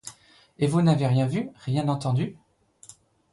Et vous n’avez rien vu, rien entendu ?